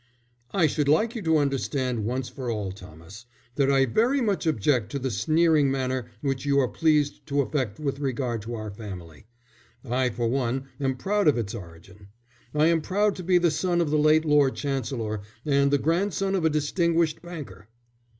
"I should like you to understand once for all, Thomas, that I very much object to the sneering manner which you are pleased to affect with regard to our family. I, for one, am proud of its origin. I am proud to be the son of the late Lord Chancellor and the grandson of a distinguished banker."